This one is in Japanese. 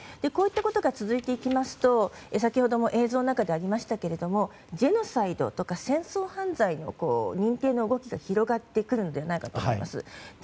こういったことが続いていきますと先ほども映像の中でありましたがジェノサイドとか戦争犯罪の認定の動きが広がってくるのではないかと思います。